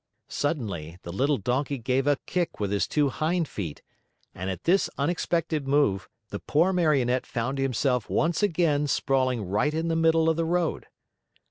Suddenly the little donkey gave a kick with his two hind feet and, at this unexpected move, the poor Marionette found himself once again sprawling right in the middle of the road.